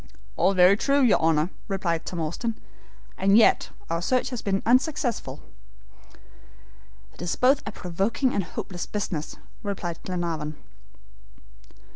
"All very true, your Honor," replied Tom Austin, "and yet our search has been unsuccessful." "It is both a provoking and hopeless business," replied Glenarvan.